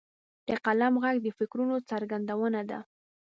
د قلم ږغ د فکرونو څرګندونه ده.